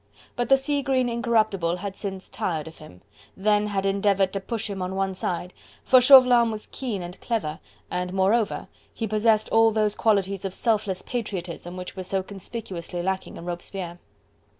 But the sea green Incorruptible had since tired of him, then had endeavoured to push him on one side, for Chauvelin was keen and clever, and, moreover, he possessed all those qualities of selfless patriotism which were so conspicuously lacking in Robespierre.